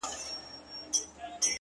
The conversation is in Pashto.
خورې ورې پرتې وي ـ